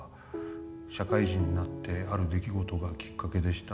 社会人になってある出来事がきっかけでした。